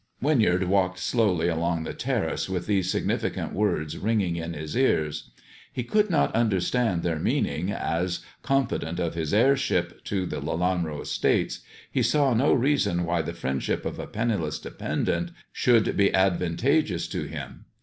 Winyard walked slowly along the terrace with these significant words ringing in his ears. He could not under stand their meaning, as, confident of his heirship to the I 114 THE dwarf's chamber Lelanro estates, he saw no reason why the friendship of a penniless dependent should be advantageous to him.